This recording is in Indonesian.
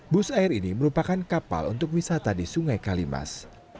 bus air ini merupakan kapal untuk wisata di sungai kalimas